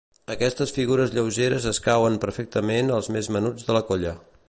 Aquestes figures lleugeres escauen perfectament als més menuts de la colla.